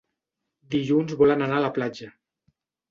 Dilluns volen anar a la platja.